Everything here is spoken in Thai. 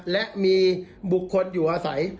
และมีบุคคลอยู่อาศัย